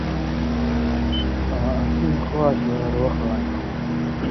آں اسی خوا و شا اور وخ لن٘گھؤں